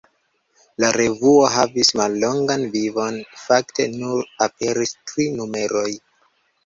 La revuo havis mallongan vivon: fakte nur aperis tri numeroj.